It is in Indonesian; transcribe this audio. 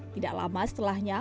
tidak lama setelahnya